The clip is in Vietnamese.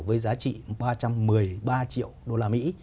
với giá trị ba trăm một mươi ba triệu đô la mỹ